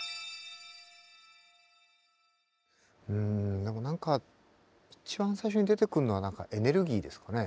うん何か一番最初に出てくるのは何かエネルギーですかね。